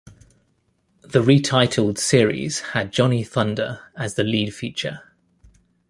The retitled series had Johnny Thunder as the lead feature.